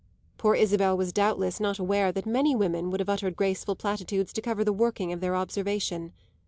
Poor Isabel was doubtless not aware that many women would have uttered graceful platitudes to cover the working of their observation.